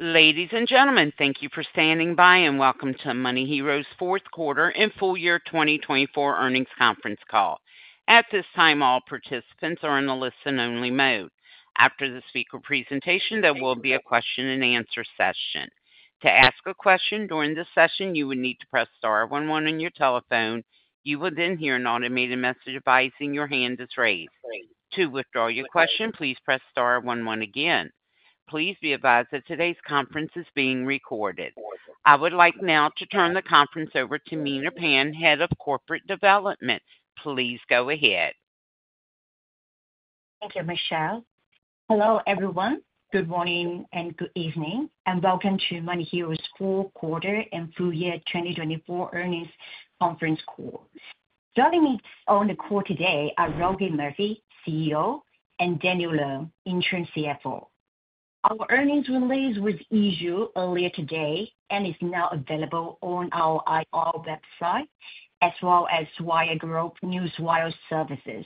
Ladies and gentlemen, thank you for standing by and welcome to MoneyHero's fourth quarter and full year 2024 earnings conference call. At this time, all participants are in a listen-only mode. After the speaker presentation, there will be a question-and-answer session. To ask a question during the session, you would need to press star 11 on your telephone. You will then hear an automated message advising your hand is raised. To withdraw your question, please press star 11 again. Please be advised that today's conference is being recorded. I would like now to turn the conference over to Miner Pan, Head of Corporate Development. Please go ahead. Thank you, Michelle. Hello, everyone. Good morning and good evening, and welcome to MoneyHero's fourth quarter and full year 2024 earnings conference call. Joining me on the call today are Rohith Murthy, CEO, and Danny Leung, Interim CFO. Our earnings release was issued earlier today and is now available on our IR website, as well as GlobeNewswire services.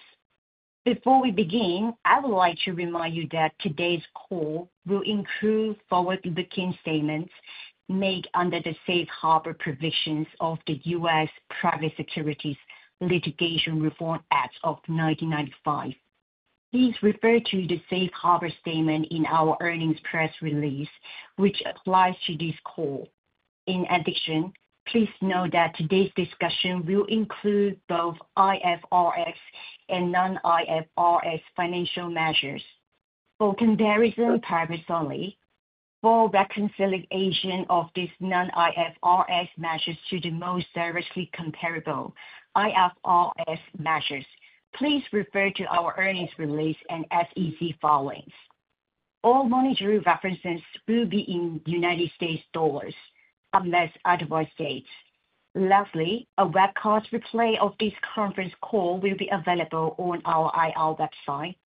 Before we begin, I would like to remind you that today's call will include forward-looking statements made under the safe harbor provisions of the U.S. Private Securities Litigation Reform Act of 1995. Please refer to the safe harbor statement in our earnings press release, which applies to this call. In addition, please note that today's discussion will include both IFRS and non-IFRS financial measures. For comparison purposes only, for reconciliation of these non-IFRS measures to the most directly comparable IFRS measures, please refer to our earnings release and SEC filings. All monetary references will be in United States dollars unless otherwise stated. Lastly, a webcast replay of this conference call will be available on our IR website.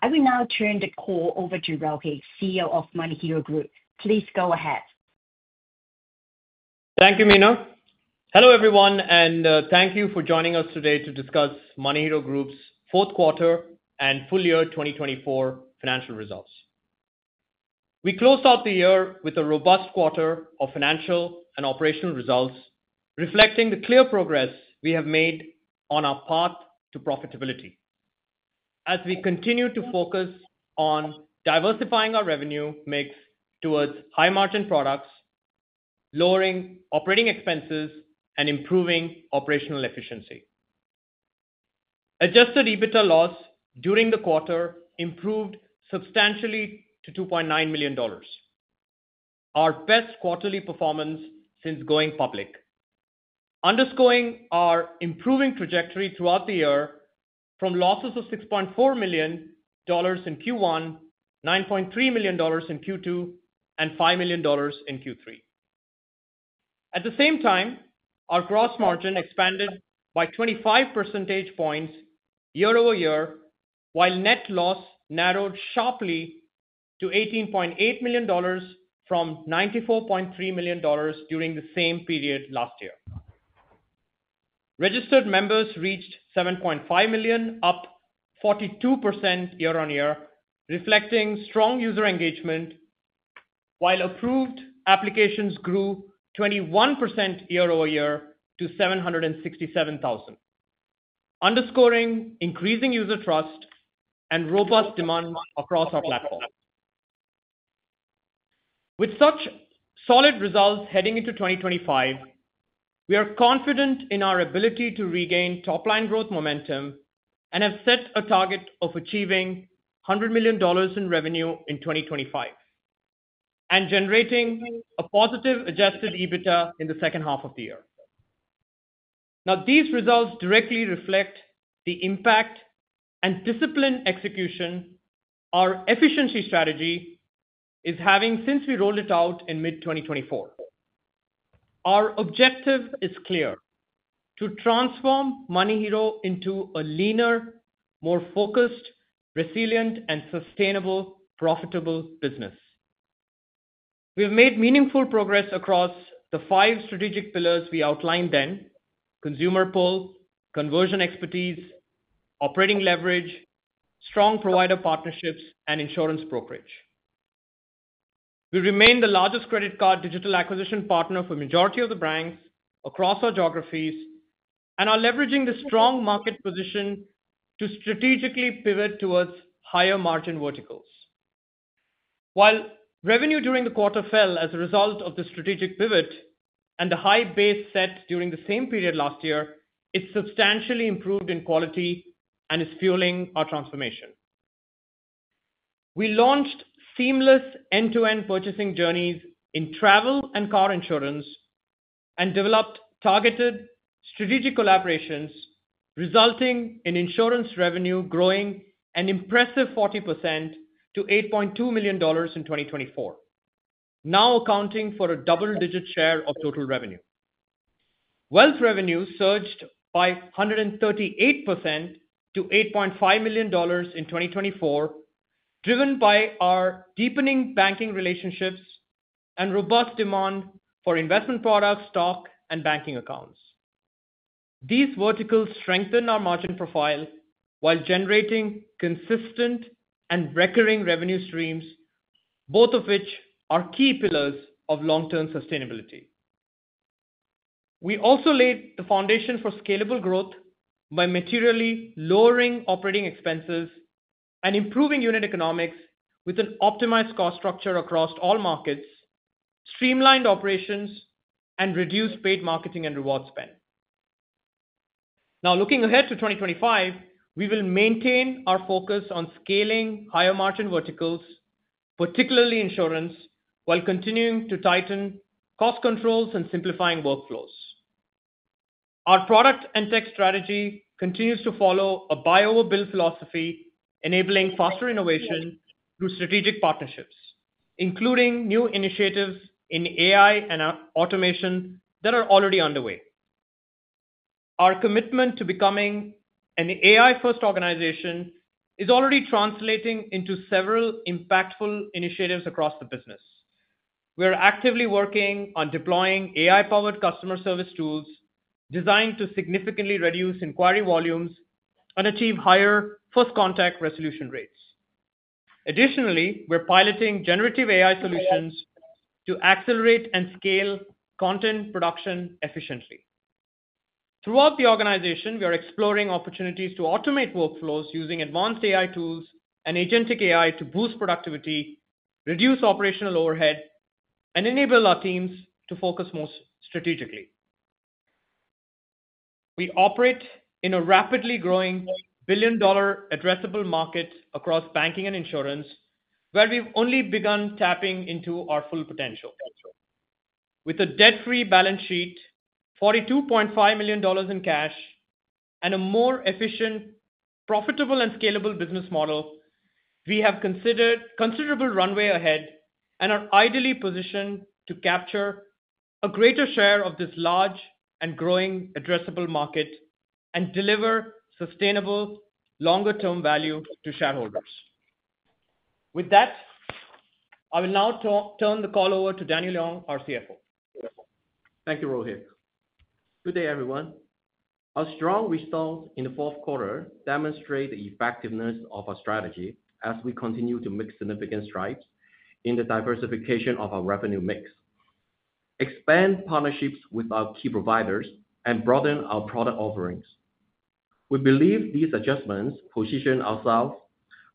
I will now turn the call over to Rohith, CEO of MoneyHero Group. Please go ahead. Thank you, Miner. Hello, everyone, and thank you for joining us today to discuss MoneyHero Group's fourth quarter and full year 2024 financial results. We closed out the year with a robust quarter of financial and operational results, reflecting the clear progress we have made on our path to profitability. As we continue to focus on diversifying our revenue mix towards high-margin products, lowering operating expenses, and improving operational efficiency, adjusted EBITDA loss during the quarter improved substantially to $2.9 million. Our best quarterly performance since going public, underscoring our improving trajectory throughout the year from losses of $6.4 million in Q1, $9.3 million in Q2, and $5 million in Q3. At the same time, our gross margin expanded by 25 percentage points year over year, while net loss narrowed sharply to $18.8 million from $94.3 million during the same period last year. Registered members reached 7.5 million, up 42% year on year, reflecting strong user engagement, while approved applications grew 21% year over year to 767,000, underscoring increasing user trust and robust demand across our platform. With such solid results heading into 2025, we are confident in our ability to regain top-line growth momentum and have set a target of achieving $100 million in revenue in 2025 and generating a positive adjusted EBITDA in the second half of the year. Now, these results directly reflect the impact and disciplined execution our efficiency strategy is having since we rolled it out in mid-2024. Our objective is clear: to transform MoneyHero into a leaner, more focused, resilient, and sustainably profitable business. We have made meaningful progress across the five strategic pillars we outlined then: consumer pull, conversion expertise, operating leverage, strong provider partnerships, and insurance brokerage. We remain the largest credit card digital acquisition partner for the majority of the brands across our geographies, and are leveraging the strong market position to strategically pivot towards higher margin verticals. While revenue during the quarter fell as a result of the strategic pivot and the high base set during the same period last year, it substantially improved in quality and is fueling our transformation. We launched seamless end-to-end purchasing journeys in travel and car insurance and developed targeted strategic collaborations, resulting in insurance revenue growing an impressive 40% to $8.2 million in 2024, now accounting for a double-digit share of total revenue. Wealth revenue surged by 138% to $8.5 million in 2024, driven by our deepening banking relationships and robust demand for investment products, stock, and banking accounts. These verticals strengthen our margin profile while generating consistent and recurring revenue streams, both of which are key pillars of long-term sustainability. We also laid the foundation for scalable growth by materially lowering operating expenses and improving unit economics with an optimized cost structure across all markets, streamlined operations, and reduced paid marketing and rewards spend. Now, looking ahead to 2025, we will maintain our focus on scaling higher margin verticals, particularly insurance, while continuing to tighten cost controls and simplifying workflows. Our product and tech strategy continues to follow a buy-over-build philosophy, enabling faster innovation through strategic partnerships, including new initiatives in AI and automation that are already underway. Our commitment to becoming an AI-first organization is already translating into several impactful initiatives across the business. We are actively working on deploying AI-powered customer service tools designed to significantly reduce inquiry volumes and achieve higher first-contact resolution rates. Additionally, we're piloting generative AI solutions to accelerate and scale content production efficiently. Throughout the organization, we are exploring opportunities to automate workflows using advanced AI tools and agentic AI to boost productivity, reduce operational overhead, and enable our teams to focus more strategically. We operate in a rapidly growing billion-dollar addressable market across banking and insurance, where we've only begun tapping into our full potential. With a debt-free balance sheet, $42.5 million in cash, and a more efficient, profitable, and scalable business model, we have considerable runway ahead and are ideally positioned to capture a greater share of this large and growing addressable market and deliver sustainable, longer-term value to shareholders. With that, I will now turn the call over to Danny Leung, our CFO. Thank you, Rohith. Good day, everyone. Our strong results in the fourth quarter demonstrate the effectiveness of our strategy as we continue to make significant strides in the diversification of our revenue mix, expand partnerships with our key providers, and broaden our product offerings. We believe these adjustments position ourselves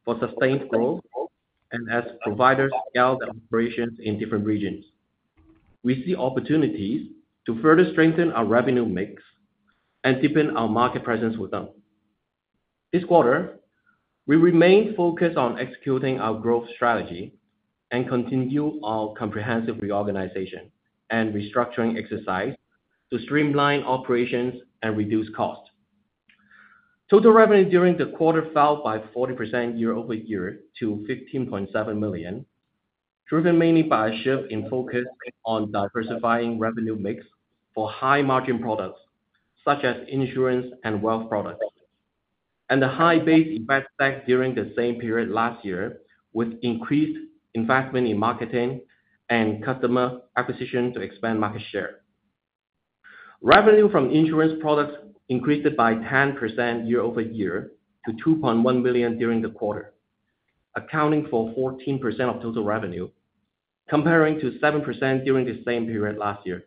for sustained growth and as providers scale their operations in different regions. We see opportunities to further strengthen our revenue mix and deepen our market presence with them. This quarter, we remain focused on executing our growth strategy and continue our comprehensive reorganization and restructuring exercise to streamline operations and reduce costs. Total revenue during the quarter fell by 40% year over year to $15.7 million, driven mainly by a shift in focus on diversifying revenue mix for high-margin products such as insurance and wealth products, and the high base investment back during the same period last year with increased investment in marketing and customer acquisition to expand market share. Revenue from insurance products increased by 10% year over year to $2.1 million during the quarter, accounting for 14% of total revenue, comparing to 7% during the same period last year.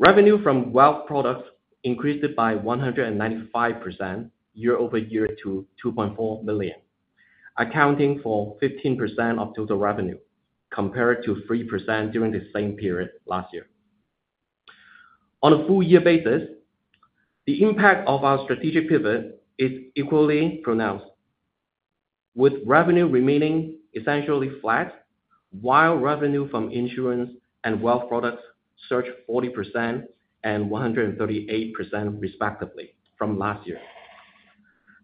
Revenue from wealth products increased by 195% year over year to $2.4 million, accounting for 15% of total revenue, compared to 3% during the same period last year. On a full-year basis, the impact of our strategic pivot is equally pronounced, with revenue remaining essentially flat, while revenue from insurance and wealth products surged 40% and 138%, respectively, from last year.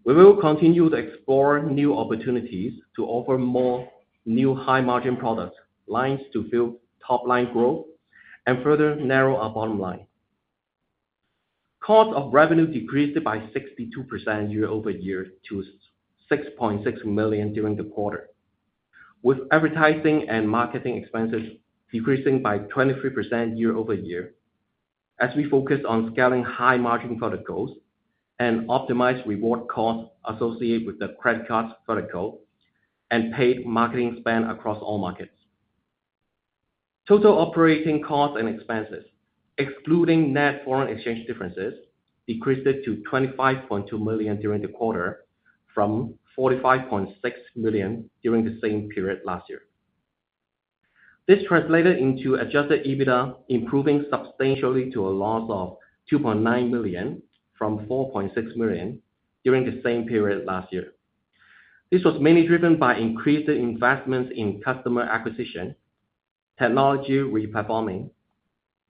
We will continue to explore new opportunities to offer more new high-margin product lines to fuel top-line growth and further narrow our bottom line. Cost of revenue decreased by 62% year over year to $6.6 million during the quarter, with advertising and marketing expenses decreasing by 23% year over year as we focus on scaling high-margin product goals and optimized reward costs associated with the credit card product goal and paid marketing spend across all markets. Total operating costs and expenses, excluding net foreign exchange differences, decreased to $25.2 million during the quarter, from $45.6 million during the same period last year. This translated into adjusted EBITDA improving substantially to a loss of $2.9 million from $4.6 million during the same period last year. This was mainly driven by increased investments in customer acquisition, technology re-performing,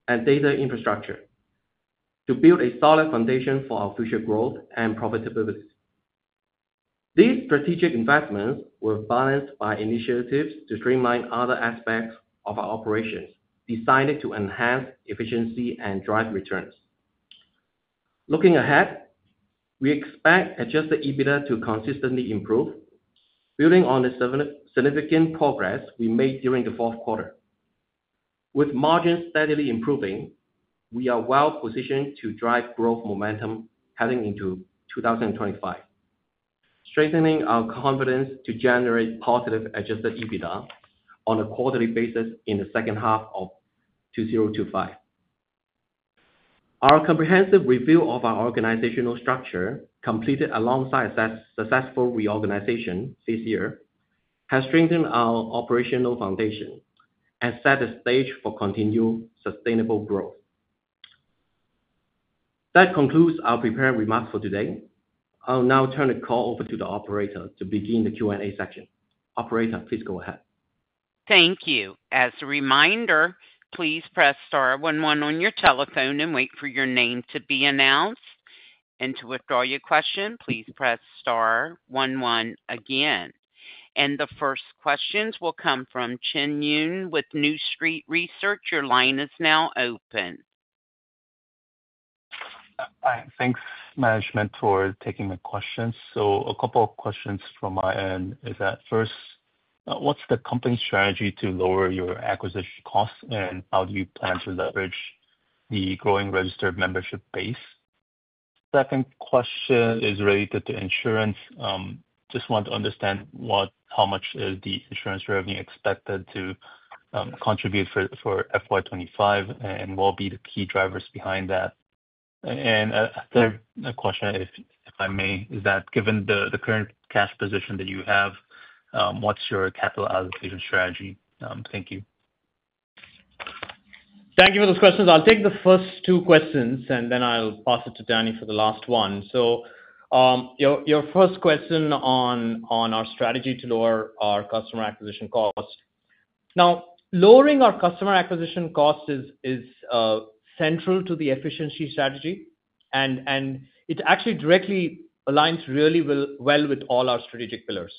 and data infrastructure to build a solid foundation for our future growth and profitability. These strategic investments were balanced by initiatives to streamline other aspects of our operations designed to enhance efficiency and drive returns. Looking ahead, we expect adjusted EBITDA to consistently improve, building on the significant progress we made during the fourth quarter. With margins steadily improving, we are well-positioned to drive growth momentum heading into 2025, strengthening our confidence to generate positive adjusted EBITDA on a quarterly basis in the second half of 2025. Our comprehensive review of our organizational structure, completed alongside successful reorganization this year, has strengthened our operational foundation and set the stage for continued sustainable growth. That concludes our prepared remarks for today. I'll now turn the call over to the operator to begin the Q&A section. Operator, please go ahead. Thank you. As a reminder, please press star 11 on your telephone and wait for your name to be announced. To withdraw your question, please press star 11 again. The first questions will come from Jin Yoon with New Street Research. Your line is now open. Thanks, Management, for taking the questions. A couple of questions from my end is that first, what's the company's strategy to lower your acquisition costs, and how do you plan to leverage the growing registered membership base? Second question is related to insurance. Just want to understand how much is the insurance revenue expected to contribute for FY2025 and what will be the key drivers behind that? A third question, if I may, is that given the current cash position that you have, what's your capital allocation strategy? Thank you. Thank you for those questions. I'll take the first two questions, and then I'll pass it to Danny for the last one. Your first question on our strategy to lower our customer acquisition costs. Now, lowering our customer acquisition costs is central to the efficiency strategy, and it actually directly aligns really well with all our strategic pillars.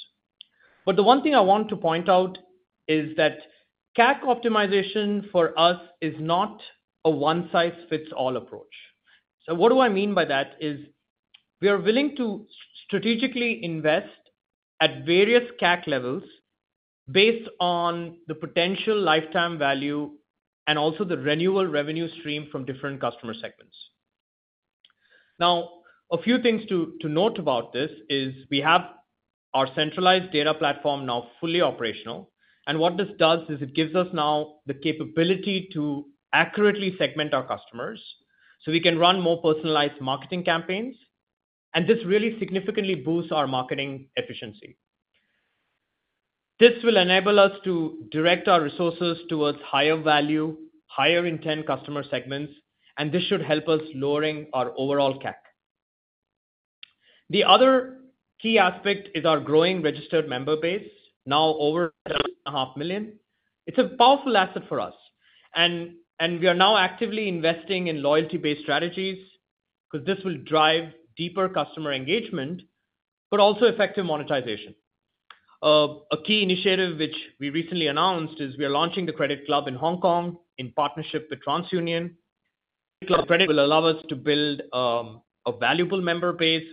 The one thing I want to point out is that CAC optimization for us is not a one-size-fits-all approach. What I mean by that is we are willing to strategically invest at various CAC levels based on the potential lifetime value and also the renewal revenue stream from different customer segments. A few things to note about this is we have our centralized data platform now fully operational. What this does is it gives us now the capability to accurately segment our customers so we can run more personalized marketing campaigns. This really significantly boosts our marketing efficiency. This will enable us to direct our resources towards higher-value, higher-intent customer segments, and this should help us lower our overall CAC. The other key aspect is our growing registered member base, now over $7.5 million. It's a powerful asset for us. We are now actively investing in loyalty-based strategies because this will drive deeper customer engagement, but also effective monetization. A key initiative which we recently announced is we are launching the Credit Club in Hong Kong in partnership with TransUnion. Credit Club will allow us to build a valuable member base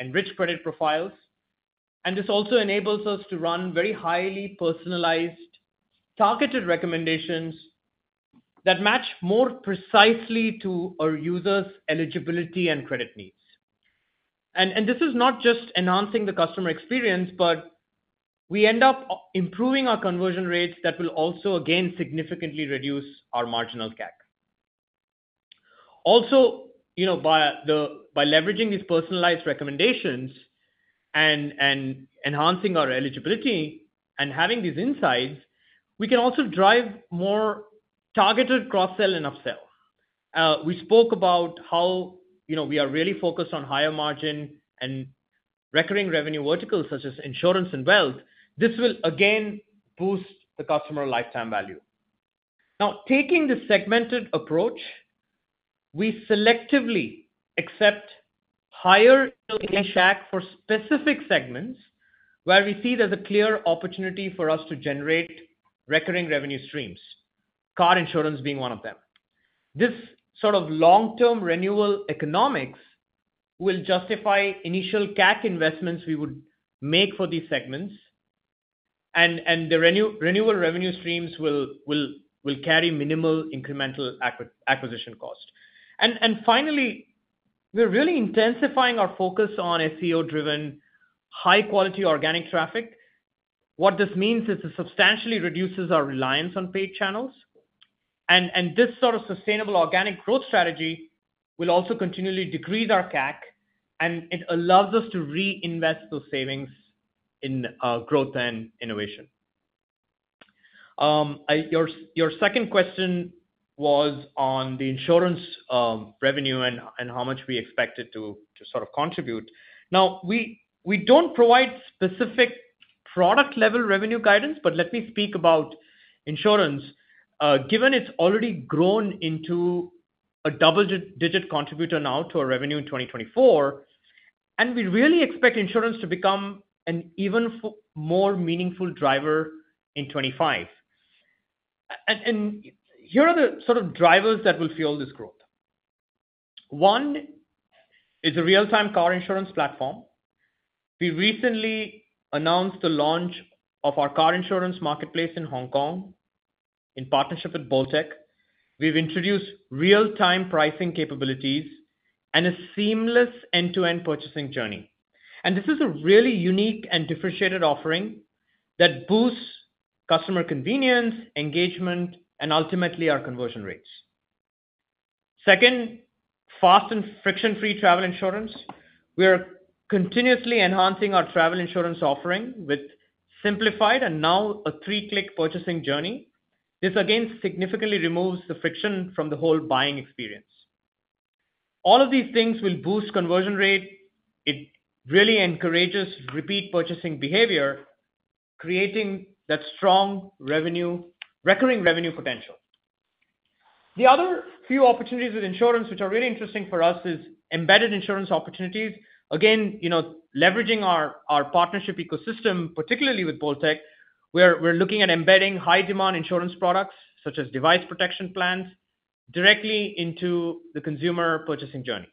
with enriched credit profiles. This also enables us to run very highly personalized, targeted recommendations that match more precisely to our users' eligibility and credit needs. This is not just enhancing the customer experience, but we end up improving our conversion rates that will also, again, significantly reduce our marginal CAC. Also, by leveraging these personalized recommendations and enhancing our eligibility and having these insights, we can also drive more targeted cross-sell and upsell. We spoke about how we are really focused on higher margin and recurring revenue verticals such as insurance and wealth. This will, again, boost the customer lifetime value. Now, taking the segmented approach, we selectively accept higher-intent CAC for specific segments where we see there is a clear opportunity for us to generate recurring revenue streams, car insurance being one of them. This sort of long-term renewal economics will justify initial CAC investments we would make for these segments, and the renewal revenue streams will carry minimal incremental acquisition cost. Finally, we're really intensifying our focus on SEO-driven, high-quality organic traffic. What this means is it substantially reduces our reliance on paid channels. This sort of sustainable organic growth strategy will also continually decrease our CAC, and it allows us to reinvest those savings in growth and innovation. Your second question was on the insurance revenue and how much we expect it to sort of contribute. Now, we do not provide specific product-level revenue guidance, but let me speak about insurance. Given it has already grown into a double-digit contributor now to our revenue in 2024, and we really expect insurance to become an even more meaningful driver in 2025. Here are the sort of drivers that will fuel this growth. One is a real-time car insurance platform. We recently announced the launch of our car insurance marketplace in Hong Kong in partnership with bolttech. We have introduced real-time pricing capabilities and a seamless end-to-end purchasing journey. This is a really unique and differentiated offering that boosts customer convenience, engagement, and ultimately our conversion rates. Second, fast and friction-free travel insurance. We are continuously enhancing our travel insurance offering with simplified and now a three-click purchasing journey. This, again, significantly removes the friction from the whole buying experience. All of these things will boost conversion rate. It really encourages repeat purchasing behavior, creating that strong recurring revenue potential. The other few opportunities with insurance, which are really interesting for us, is embedded insurance opportunities. Again, leveraging our partnership ecosystem, particularly with bolttech, we are looking at embedding high-demand insurance products such as device protection plans directly into the consumer purchasing journey.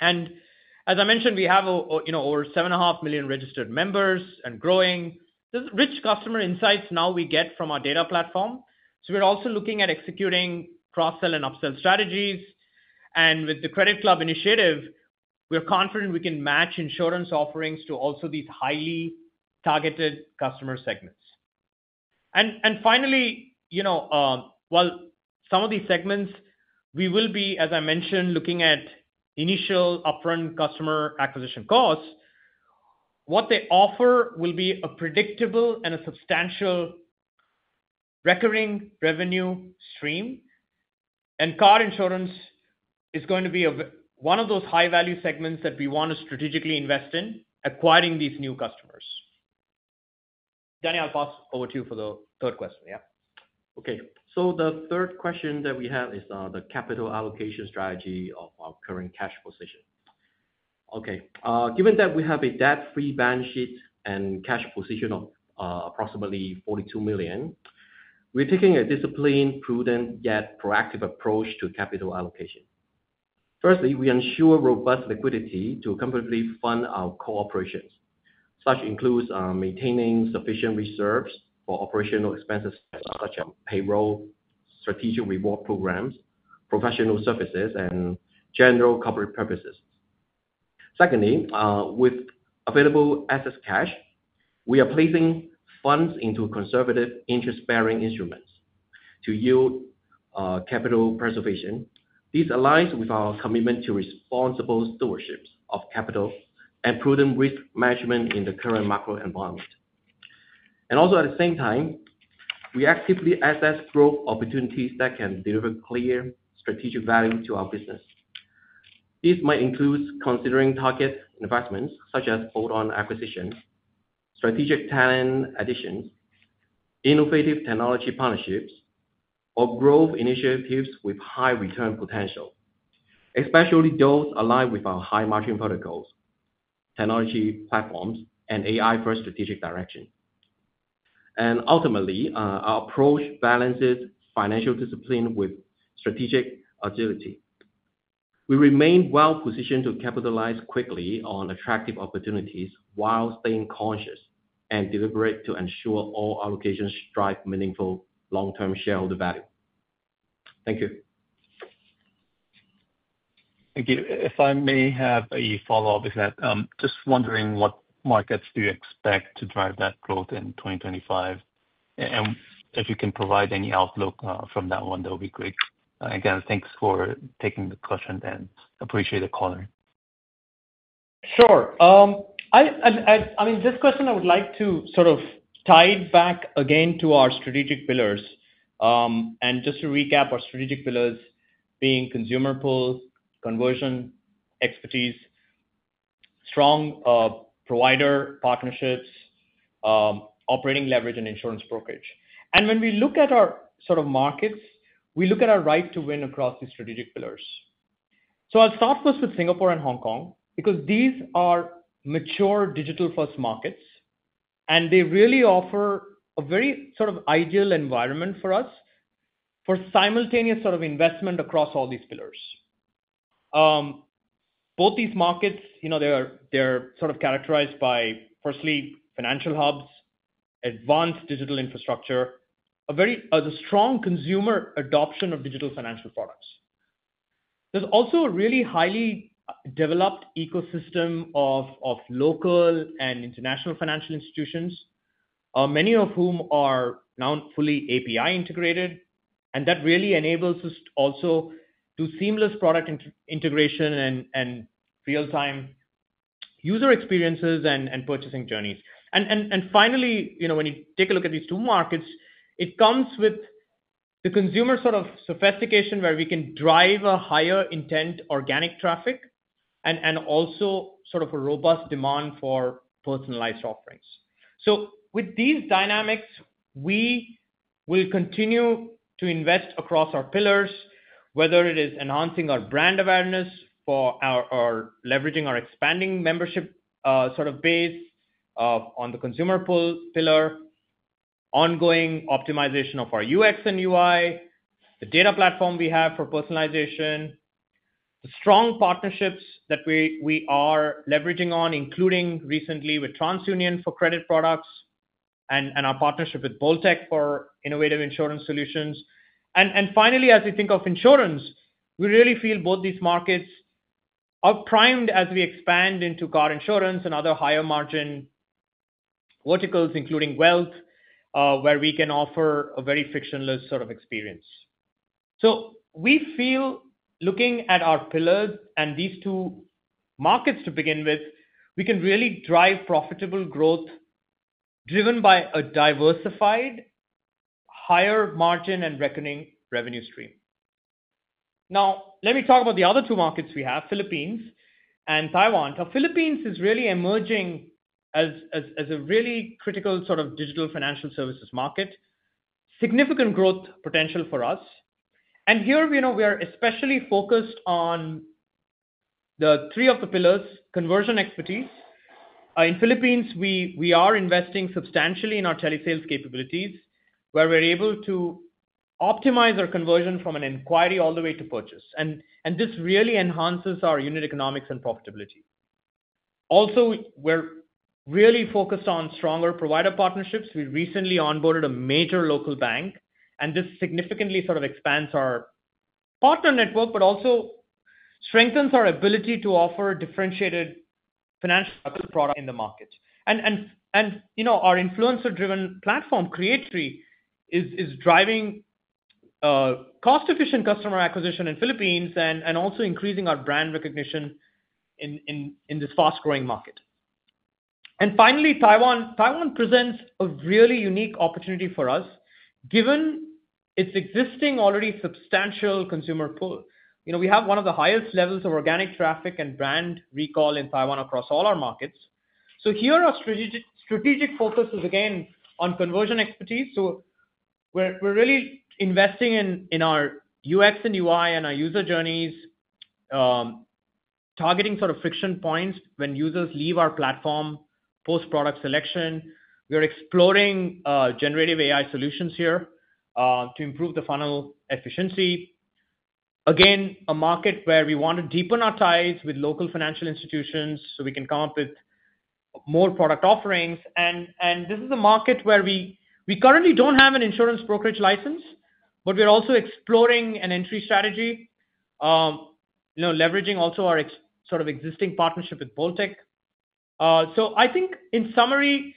As I mentioned, we have over 7.5 million registered members and growing. There are rich customer insights now we get from our data platform. We are also looking at executing cross-sell and upsell strategies. With the Credit Club initiative, we are confident we can match insurance offerings to these highly targeted customer segments. Finally, while some of these segments, we will be, as I mentioned, looking at initial upfront customer acquisition costs, what they offer will be a predictable and substantial recurring revenue stream. Car insurance is going to be one of those high-value segments that we want to strategically invest in, acquiring these new customers. Danny, I'll pass over to you for the third question. Yeah. Okay. The third question that we have is the capital allocation strategy of our current cash position. Given that we have a debt-free balance sheet and cash position of approximately $42 million, we're taking a disciplined, prudent, yet proactive approach to capital allocation. Firstly, we ensure robust liquidity to comfortably fund our core operations. Such includes maintaining sufficient reserves for operational expenses such as payroll, strategic reward programs, professional services, and general corporate purposes. Secondly, with available excess cash, we are placing funds into conservative interest-bearing instruments to yield capital preservation. This aligns with our commitment to responsible stewardship of capital and prudent risk management in the current macro environment. Also, at the same time, we actively assess growth opportunities that can deliver clear strategic value to our business. This might include considering target investments such as hold-on acquisition, strategic talent additions, innovative technology partnerships, or growth initiatives with high return potential, especially those aligned with our high-margin protocols, technology platforms, and AI-first strategic direction. Ultimately, our approach balances financial discipline with strategic agility. We remain well-positioned to capitalize quickly on attractive opportunities while staying conscious and deliberate to ensure all allocations drive meaningful long-term shareholder value. Thank you. Thank you. If I may have a follow-up, is that just wondering what markets do you expect to drive that growth in 2025? If you can provide any outlook from that one, that would be great. Again, thanks for taking the question, and appreciate the color. Sure. I mean, this question, I would like to sort of tie it back again to our strategic pillars. And just to recap, our strategic pillars being consumer pool, conversion, expertise, strong provider partnerships, operating leverage, and insurance brokerage. When we look at our sort of markets, we look at our right to win across these strategic pillars. I'll start first with Singapore and Hong Kong because these are mature digital-first markets, and they really offer a very sort of ideal environment for us for simultaneous sort of investment across all these pillars. Both these markets, they're sort of characterized by, firstly, financial hubs, advanced digital infrastructure, a very strong consumer adoption of digital financial products. There's also a really highly developed ecosystem of local and international financial institutions, many of whom are now fully API integrated. That really enables us also to do seamless product integration and real-time user experiences and purchasing journeys. Finally, when you take a look at these two markets, it comes with the consumer sort of sophistication where we can drive a higher-intent organic traffic and also sort of a robust demand for personalized offerings. With these dynamics, we will continue to invest across our pillars, whether it is enhancing our brand awareness or leveraging our expanding membership sort of base on the consumer pool pillar, ongoing optimization of our UX and UI, the data platform we have for personalization, the strong partnerships that we are leveraging on, including recently with TransUnion for credit products and our partnership with bolttech for innovative insurance solutions. Finally, as we think of insurance, we really feel both these markets are primed as we expand into car insurance and other higher-margin verticals, including wealth, where we can offer a very frictionless sort of experience. We feel looking at our pillars and these two markets to begin with, we can really drive profitable growth driven by a diversified, higher-margin and reckoning revenue stream. Now, let me talk about the other two markets we have, Philippines and Taiwan. Philippines is really emerging as a really critical sort of digital financial services market, significant growth potential for us. Here, we are especially focused on the three of the pillars, conversion expertise. In Philippines, we are investing substantially in our telesales capabilities, where we're able to optimize our conversion from an inquiry all the way to purchase. This really enhances our unit economics and profitability. Also, we're really focused on stronger provider partnerships. We recently onboarded a major local bank, and this significantly sort of expands our partner network, but also strengthens our ability to offer differentiated financial products in the market. Our influencer-driven platform Creatory is driving cost-efficient customer acquisition in Philippines and also increasing our brand recognition in this fast-growing market. Finally, Taiwan presents a really unique opportunity for us, given its existing already substantial consumer pool. We have one of the highest levels of organic traffic and brand recall in Taiwan across all our markets. Here, our strategic focus is, again, on conversion expertise. We're really investing in our UX and UI and our user journeys, targeting sort of friction points when users leave our platform post-product selection. We are exploring generative AI solutions here to improve the funnel efficiency. Again, a market where we want to deepen our ties with local financial institutions so we can come up with more product offerings. This is a market where we currently do not have an insurance brokerage license, but we are also exploring an entry strategy, leveraging also our sort of existing partnership with bolttech. I think, in summary,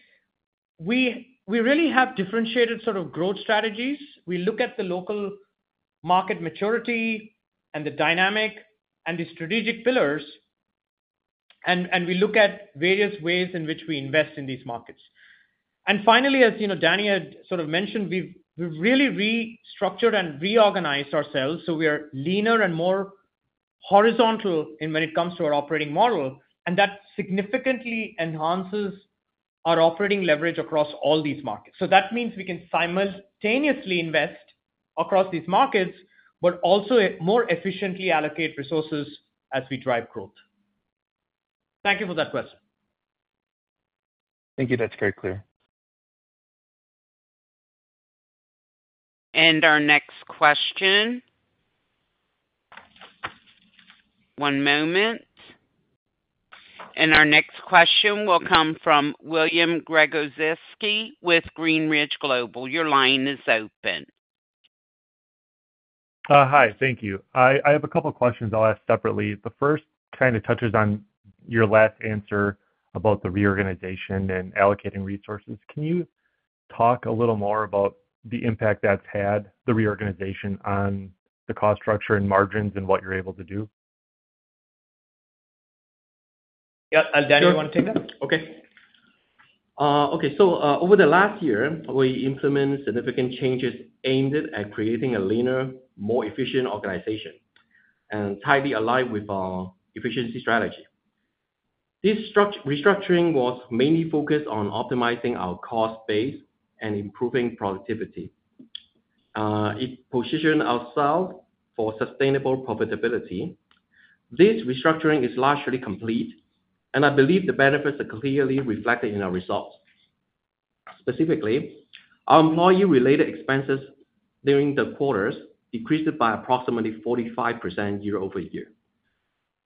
we really have differentiated sort of growth strategies. We look at the local market maturity and the dynamic and the strategic pillars, and we look at various ways in which we invest in these markets. Finally, as Danny had sort of mentioned, we have really restructured and reorganized ourselves so we are leaner and more horizontal when it comes to our operating model, and that significantly enhances our operating leverage across all these markets. That means we can simultaneously invest across these markets, but also more efficiently allocate resources as we drive growth. Thank you for that question. Thank you. That's very clear. Our next question will come from William Gregozeski with Greenridge Global. Your line is open. Hi. Thank you. I have a couple of questions I'll ask separately. The first kind of touches on your last answer about the reorganization and allocating resources. Can you talk a little more about the impact that's had, the reorganization, on the cost structure and margins and what you're able to do? Yeah. Danny, you want to take that? Sure. Okay. Okay. Over the last year, we implemented significant changes aimed at creating a leaner, more efficient organization and tightly aligned with our efficiency strategy. This restructuring was mainly focused on optimizing our cost base and improving productivity. It positioned ourselves for sustainable profitability. This restructuring is largely complete, and I believe the benefits are clearly reflected in our results. Specifically, our employee-related expenses during the quarters decreased by approximately 45% year over year.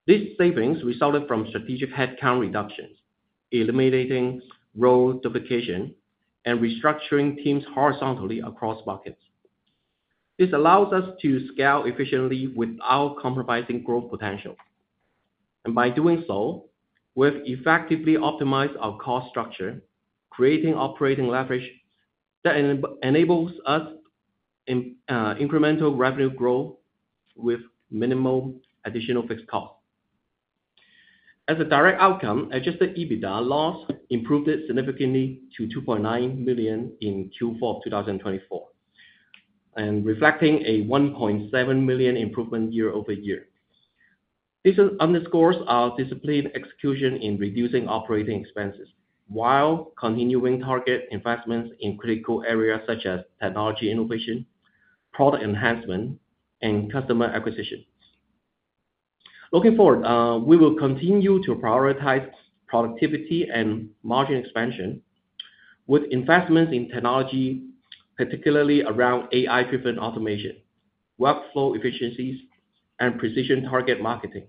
These savings resulted from strategic headcount reductions, eliminating role duplication, and restructuring teams horizontally across markets. This allows us to scale efficiently without compromising growth potential. By doing so, we've effectively optimized our cost structure, creating operating leverage that enables us incremental revenue growth with minimal additional fixed costs. As a direct outcome, adjusted EBITDA loss improved significantly to $2.9 million in Q4 of 2024, reflecting a $1.7 million improvement year over year. This underscores our disciplined execution in reducing operating expenses while continuing target investments in critical areas such as technology innovation, product enhancement, and customer acquisition. Looking forward, we will continue to prioritize productivity and margin expansion with investments in technology, particularly around AI-driven automation, workflow efficiencies, and precision target marketing.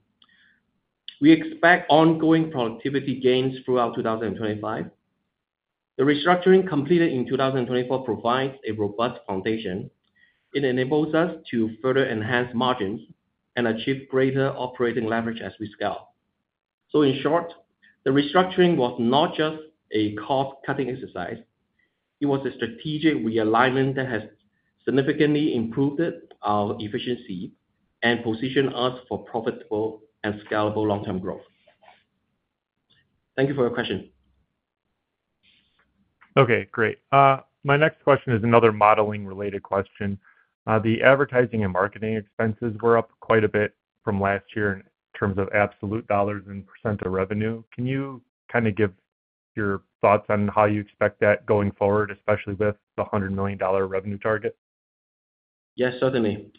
We expect ongoing productivity gains throughout 2025. The restructuring completed in 2024 provides a robust foundation. It enables us to further enhance margins and achieve greater operating leverage as we scale. In short, the restructuring was not just a cost-cutting exercise. It was a strategic realignment that has significantly improved our efficiency and positioned us for profitable and scalable long-term growth. Thank you for your question. Okay. Great. My next question is another modeling-related question. The advertising and marketing expenses were up quite a bit from last year in terms of absolute dollars and percent of revenue. Can you kind of give your thoughts on how you expect that going forward, especially with the $100 million revenue target? Yes, certainly.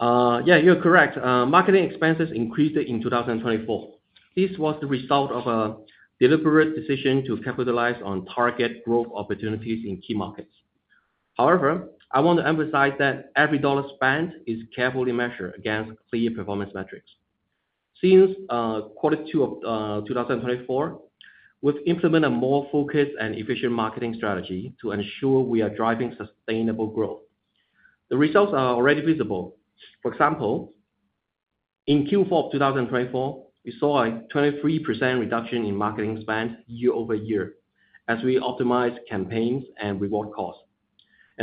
Yeah, you're correct. Marketing expenses increased in 2024. This was the result of a deliberate decision to capitalize on target growth opportunities in key markets. However, I want to emphasize that every dollar spent is carefully measured against clear performance metrics. Since quarter two of 2024, we've implemented a more focused and efficient marketing strategy to ensure we are driving sustainable growth. The results are already visible. For example, in Q4 of 2024, we saw a 23% reduction in marketing spend year over year as we optimized campaigns and reward costs.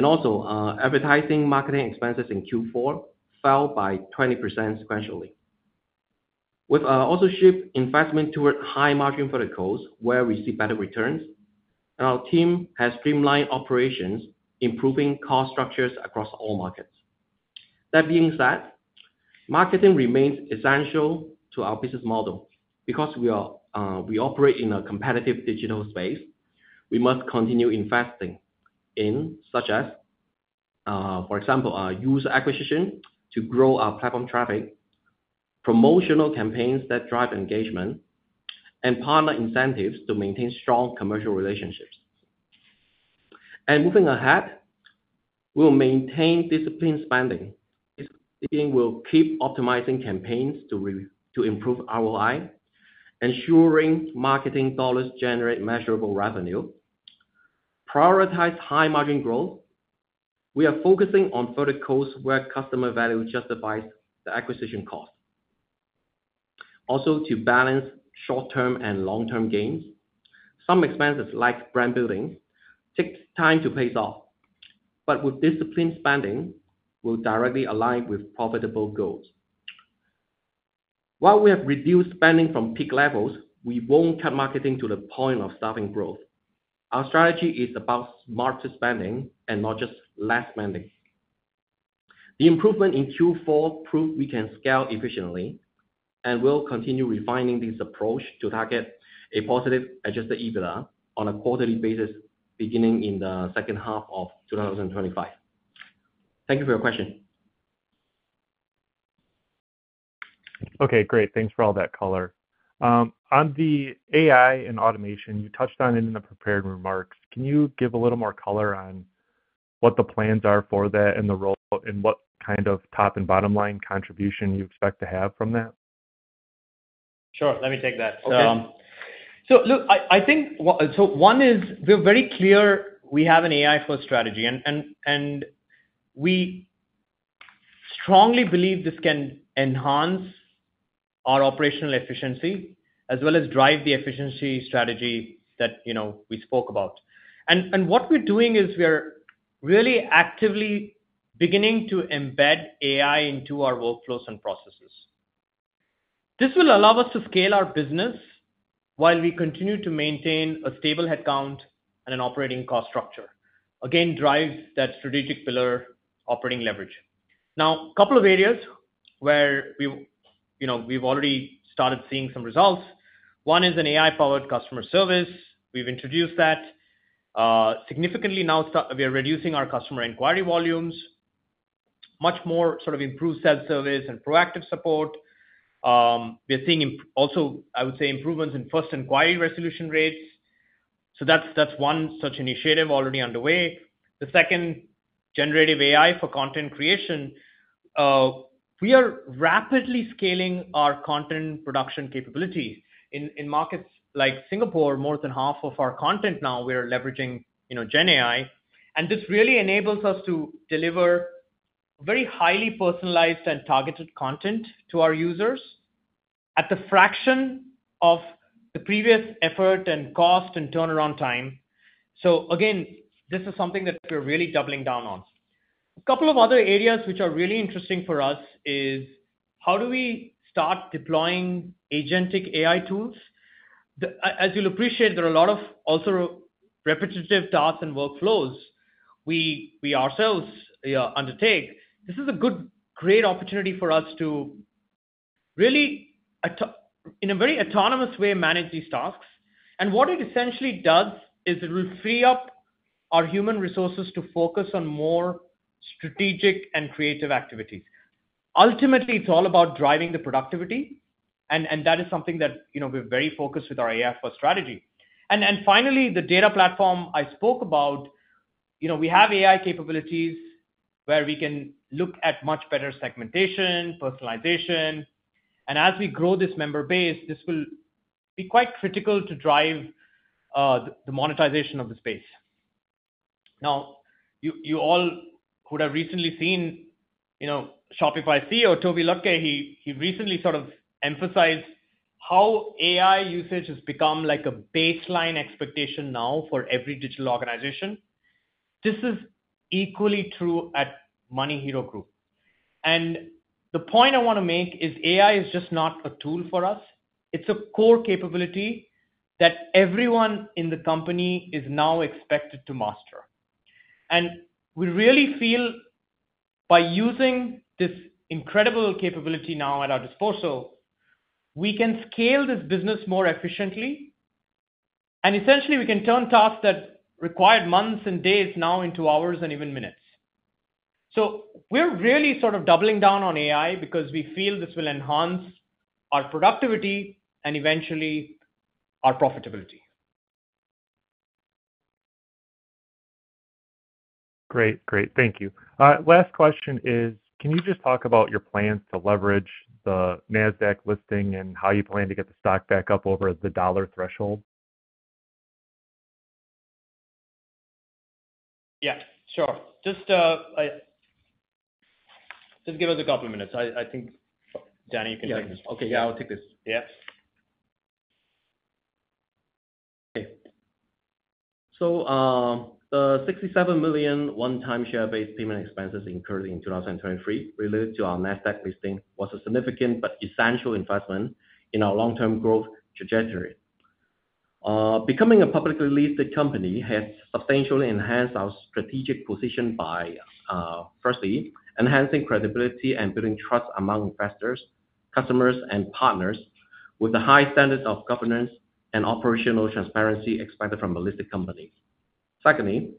Also, advertising marketing expenses in Q4 fell by 20% sequentially. We've also shifted investment toward high-margin verticals where we see better returns, and our team has streamlined operations, improving cost structures across all markets. That being said, marketing remains essential to our business model because we operate in a competitive digital space. We must continue investing in, such as, for example, user acquisition to grow our platform traffic, promotional campaigns that drive engagement, and partner incentives to maintain strong commercial relationships. Moving ahead, we will maintain disciplined spending. We'll keep optimizing campaigns to improve ROI, ensuring marketing dollars generate measurable revenue, prioritize high-margin growth. We are focusing on verticals where customer value justifies the acquisition cost. Also, to balance short-term and long-term gains, some expenses like brand building take time to pay off. With disciplined spending, we'll directly align with profitable goals. While we have reduced spending from peak levels, we won't cut marketing to the point of stopping growth. Our strategy is about smarter spending and not just less spending. The improvement in Q4 proved we can scale efficiently, and we'll continue refining this approach to target a positive adjusted EBITDA on a quarterly basis beginning in the second half of 2025. Thank you for your question. Okay. Great. Thanks for all that color. On the AI and automation, you touched on it in the prepared remarks. Can you give a little more color on what the plans are for that and the role and what kind of top and bottom line contribution you expect to have from that? Sure. Let me take that. Sure. Look, I think one is we're very clear we have an AI-first strategy, and we strongly believe this can enhance our operational efficiency as well as drive the efficiency strategy that we spoke about. What we're doing is we are really actively beginning to embed AI into our workflows and processes. This will allow us to scale our business while we continue to maintain a stable headcount and an operating cost structure, again, drives that strategic pillar operating leverage. Now, a couple of areas where we've already started seeing some results. One is an AI-powered customer service. We've introduced that significantly. Now, we are reducing our customer inquiry volumes, much more sort of improved self-service and proactive support. We are seeing also, I would say, improvements in first inquiry resolution rates. That's one such initiative already underway. The second, generative AI for content creation. We are rapidly scaling our content production capabilities. In markets like Singapore, more than half of our content now, we are leveraging GenAI. This really enables us to deliver very highly personalized and targeted content to our users at a fraction of the previous effort and cost and turnaround time. This is something that we're really doubling down on. A couple of other areas which are really interesting for us is how do we start deploying agentic AI tools? As you'll appreciate, there are a lot of also repetitive tasks and workflows we ourselves undertake. This is a great opportunity for us to really, in a very autonomous way, manage these tasks. What it essentially does is it will free up our human resources to focus on more strategic and creative activities. Ultimately, it's all about driving the productivity, and that is something that we're very focused with our AI-first strategy. Finally, the data platform I spoke about, we have AI capabilities where we can look at much better segmentation, personalization. As we grow this member base, this will be quite critical to drive the monetization of the space. Now, you all who have recently seen Shopify CEO, Tobi Lütke, he recently sort of emphasized how AI usage has become like a baseline expectation now for every digital organization. This is equally true at MoneyHero Group. The point I want to make is AI is just not a tool for us. It's a core capability that everyone in the company is now expected to master. We really feel by using this incredible capability now at our disposal, we can scale this business more efficiently. Essentially, we can turn tasks that required months and days now into hours and even minutes. We are really sort of doubling down on AI because we feel this will enhance our productivity and eventually our profitability. Great. Great. Thank you. Last question is, can you just talk about your plans to leverage the Nasdaq listing and how you plan to get the stock back up over the dollar threshold? Yeah. Sure. Just give us a couple of minutes. I think, Danny, you can take this. Okay. Yeah, I'll take this. Yeah. Okay. So the $67 million one-time share-based payment expenses incurred in 2023 related to our Nasdaq listing was a significant but essential investment in our long-term growth trajectory. Becoming a publicly listed company has substantially enhanced our strategic position by, firstly, enhancing credibility and building trust among investors, customers, and partners with the high standards of governance and operational transparency expected from a listed company. Secondly,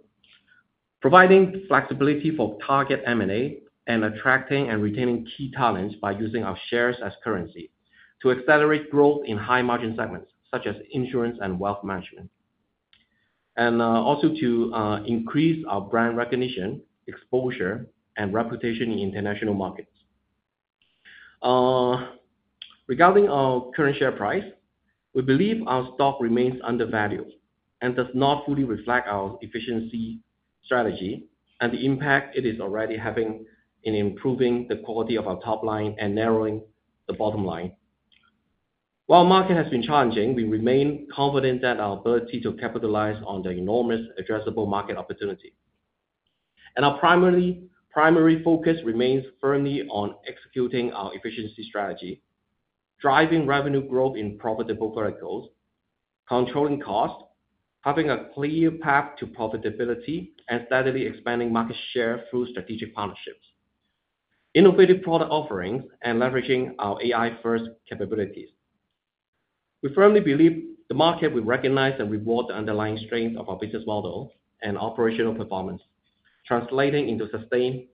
providing flexibility for target M&A and attracting and retaining key talents by using our shares as currency to accelerate growth in high-margin segments such as insurance and wealth management, and also to increase our brand recognition, exposure, and reputation in international markets. Regarding our current share price, we believe our stock remains undervalued and does not fully reflect our efficiency strategy and the impact it is already having in improving the quality of our top line and narrowing the bottom line. While the market has been challenging, we remain confident in our ability to capitalize on the enormous addressable market opportunity. Our primary focus remains firmly on executing our efficiency strategy, driving revenue growth in profitable verticals, controlling cost, having a clear path to profitability, and steadily expanding market share through strategic partnerships, innovative product offerings, and leveraging our AI-first capabilities. We firmly believe the market will recognize and reward the underlying strength of our business model and operational performance, translating into sustained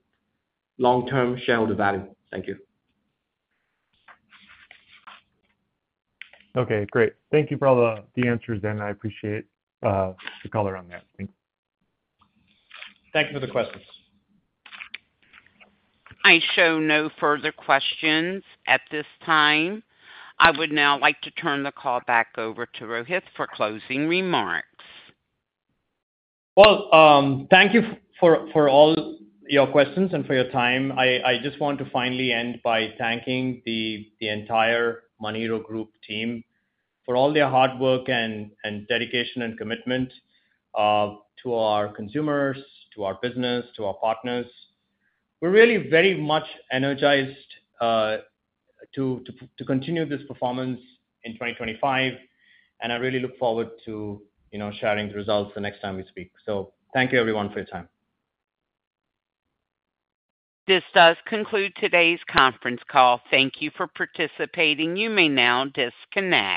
long-term shareholder value. Thank you. Okay. Great. Thank you for all the answers, and I appreciate the color on that. Thanks. Thank you for the questions. I show no further questions at this time. I would now like to turn the call back over to Rohith for closing remarks. Thank you for all your questions and for your time. I just want to finally end by thanking the entire MoneyHero Group team for all their hard work and dedication and commitment to our consumers, to our business, to our partners. We're really very much energized to continue this performance in 2025, and I really look forward to sharing the results the next time we speak. Thank you, everyone, for your time. This does conclude today's conference call. Thank you for participating. You may now disconnect.